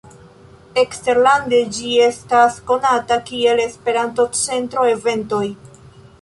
Eksterlande ĝi estas konata kiel "Esperanto-Centro Eventoj".